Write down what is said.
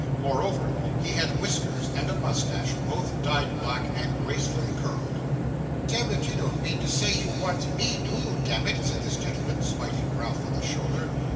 Moreover, he had whiskers and a moustache, both dyed black and gracefully curled. 'Demmit, you don't mean to say you want me, do you, demmit?' said this gentleman, smiting Ralph on the shoulder.